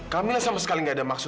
camilla sama sekali gak ada maksud